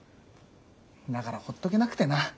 だからほっとけなくてな。